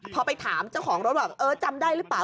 พอไปถามเจ้าของรถว่าเออจำได้หรือเปล่า